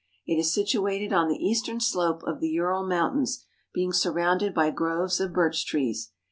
It is situated on the eastern slope of the Ural Mountains, being surrounded by groves of birch trees.